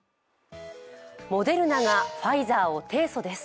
モデルナがファイザーを提訴です。